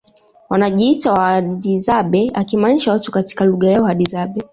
wanajiita Wahadzabe akimaanisha watu katika lugha yao Hadzane